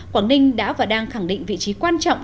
quảng ninh đã và đang khẳng định vị trí quan trọng